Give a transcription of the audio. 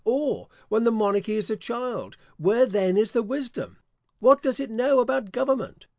or, when the monarchy is a child, where then is the wisdom? What does it know about government?